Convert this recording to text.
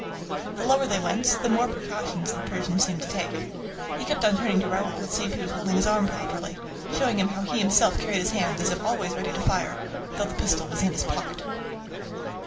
The lower they went, the more precautions the Persian seemed to take. He kept on turning to Raoul to see if he was holding his arm properly, showing him how he himself carried his hand as if always ready to fire, though the pistol was in his pocket.